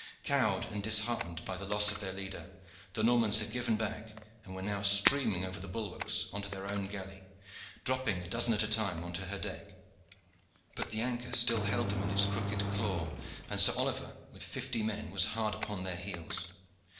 Cowed and disheartened by the loss of their leader, the Normans had given back and were now streaming over the bulwarks on to their own galley, dropping a dozen at a time on to her deck. But the anchor still held them in its crooked claw, and Sir Oliver with fifty men was hard upon their heels.